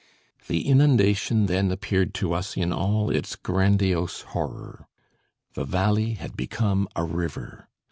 The inundation then appeared to us in all its grandiose horror. The valley had become a river.